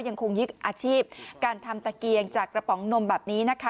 ยังคงยึดอาชีพการทำตะเกียงจากกระป๋องนมแบบนี้นะคะ